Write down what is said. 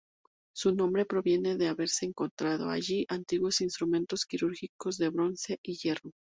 Su nombre proviene de haberse encontrado allí antiguos instrumentos quirúrgicos de bronce y hierro.